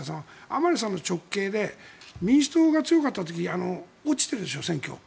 甘利さんの直系で民主党が強かった時に落ちているでしょ、選挙に。